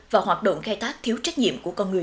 và hoạt động khai thác thiếu trách nhiệm của con người